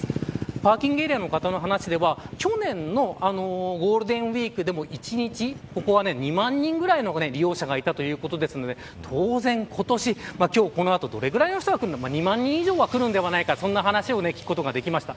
パーキングエリアの方の話では去年のゴールデンウイークでも一日ここは２万人ぐらいの利用者がいたということですので当然、今年この後どれぐらいの人が来るのか２万人以上の人が来るのではないかそんな話でした。